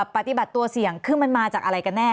ปฏิบัติตัวเสี่ยงคือมันมาจากอะไรกันแน่